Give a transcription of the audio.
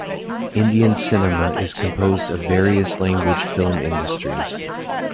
Indian cinema is composed of various language film industries.